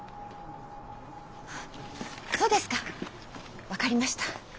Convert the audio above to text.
そうですか分かりました。